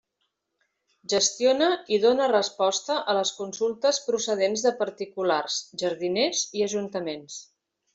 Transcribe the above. Gestiona i dóna resposta a les consultes procedents de particulars, jardiners i ajuntaments.